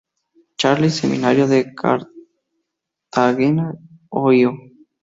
Charles 'Seminario de Cartagena, Ohio.